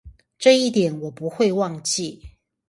這一點我不會忘記